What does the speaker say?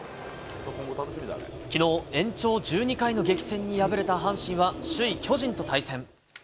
きのう、延長１２回の激戦に敗れた阪神は、首位巨人と対戦。